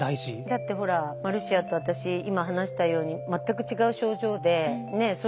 だってほらマルシアと私今話したように全く違う症状でねえそれぞれ違うじゃない？